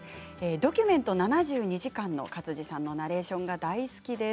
「ドキュメント７２時間」の勝地さんのナレーションが大好きです。